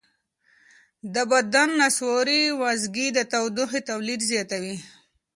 د بدن نسواري وازګې د تودوخې تولید زیاتوي.